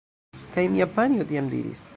Kaj mia panjo tiam diris: